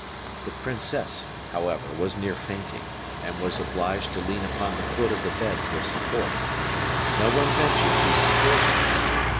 The princess, however, was near fainting, and was obliged to lean upon the foot of the bed for support. No one ventured to support her.